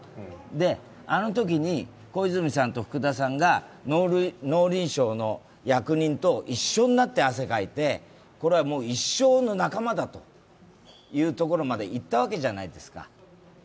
あのときに小泉さんと福田さんが農林省の役人と一緒になって汗かいてこれはもう一生の仲間だというところまでいったわけじゃないですか。